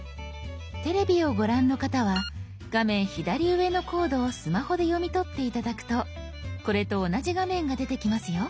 テレビをご覧の方は画面左上のコードをスマホで読み取って頂くとこれと同じ画面が出てきますよ。